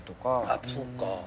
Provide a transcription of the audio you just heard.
やっぱそうか。